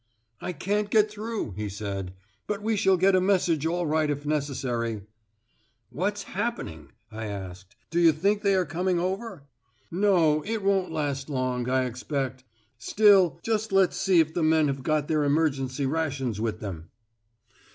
'I can't get through,' he said, 'but we shall get a message all right if necessary.' 'What's happening?' I asked. 'Do you think they are coming over.' 'No. It won't last long, I expect. Still, just let's see if the men have got their emergency rations with them.